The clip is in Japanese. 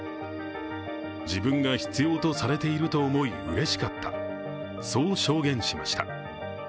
自分が必要とされていると思いうれしかった、そう証言しました。